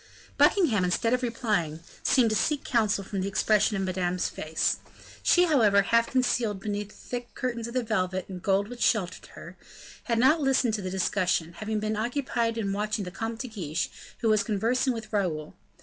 Buckingham, instead of replying, seemed to seek counsel from the expression of Madame's face. She, however, half concealed beneath the thick curtains of the velvet and gold which sheltered her, had not listened to the discussion, having been occupied in watching the Comte de Guiche, who was conversing with Raoul.